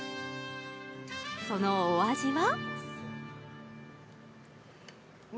そのお味は？